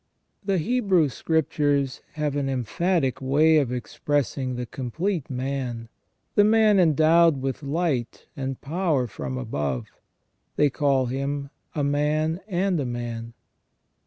The Hebrew Scriptures have an emphatic way of expressing the complete man, the man endowed with light and power from above: they call him "a man and a man".